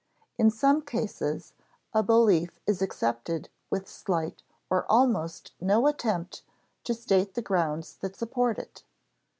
In some cases, a belief is accepted with slight or almost no attempt to state the grounds that support it.